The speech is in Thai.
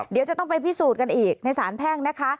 เดี๋ยวจะต้องไปพิสูจน์กันอีกในสารแพ่งนะคะ